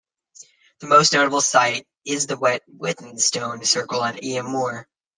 The most notable site is the Wet Withens stone circle on Eyam Moor.